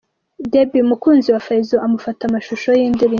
Debby umukunzi we fayzo amufata amashusho y'indirimbo.